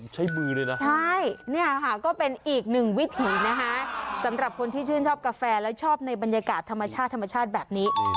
ใช่อีกหนึ่งวิถีสำหรับคนที่ชื่นชอบกาแฟแล้วชอบในบรรยากาศธรรมชาติแบบนี้